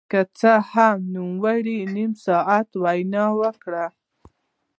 که څه هم نوموړي يو نيم ساعت وينا وکړه.